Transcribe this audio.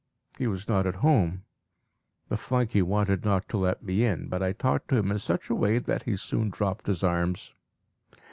He was not at home. The flunkey wanted not to let me in, but I talked to him in such a way that he soon dropped his arms.